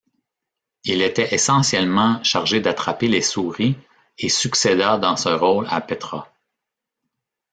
Il était essentiellement chargé d'attraper les souris, et succéda dans ce rôle à Petra.